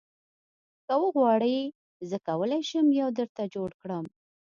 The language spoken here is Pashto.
که وغواړې زه کولی شم یو درته جوړ کړم